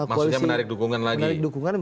koalisi menarik dukungan lagi